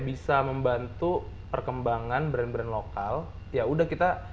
bisa membantu perkembangan brand brand lokal ya udah kita